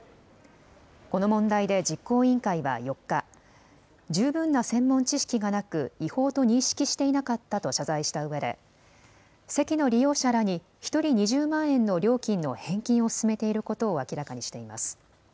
この問題で実行委員会は４日、十分な専門知識がなく違法と認識していなかったと謝罪したうえで、席の利用者らに１人２０万円の料金の返金を進めていることを明らかにしています。